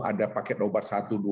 ada paket obat satu dua